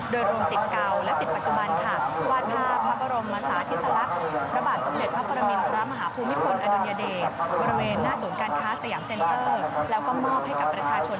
โดยรวมสิทธิ์เก่าและสิทธิ์ปัจจุบัน